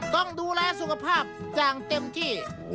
ต้องดูแลสุขภาพอย่างเต็มที่